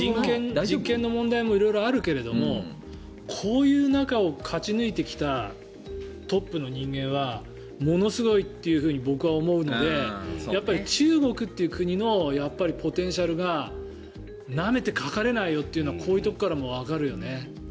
人権の問題も色々あるけどもこういう中を勝ち抜いてきたトップの人間はものすごいというふうに僕は思うのでやっぱり中国という国のポテンシャルがなめてかかれないよというのはこういうところからもわかるよね。